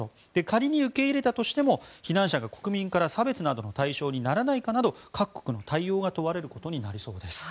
仮に受け入れたとしても避難者が国民から差別などの対象にならないかなど、各国の対応が問われることになりそうです。